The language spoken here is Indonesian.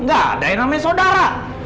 gak ada yang namanya sodara